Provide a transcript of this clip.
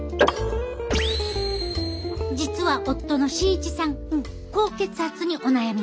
実は夫の慎一さん高血圧にお悩み！